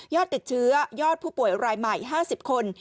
ติดเชื้อยอดผู้ป่วยรายใหม่๕๐คน